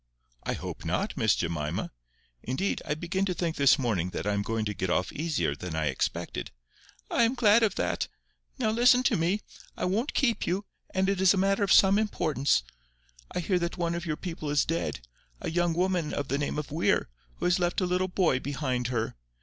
"I hope not, Miss Jemima. Indeed, I begin to think this morning that I am going to get off easier than I expected." "I am glad of that. Now listen to me. I won't keep you, and it is a matter of some importance. I hear that one of your people is dead, a young woman of the name of Weir, who has left a little boy behind her.